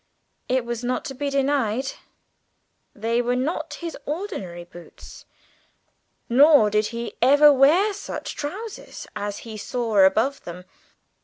It was not to be denied; they were not his ordinary boots, nor did he ever wear such trousers as he saw above them!